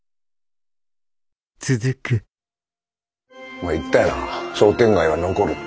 お前言ったよな商店街は残るって。